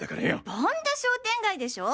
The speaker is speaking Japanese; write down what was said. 盆土商店街でしょ？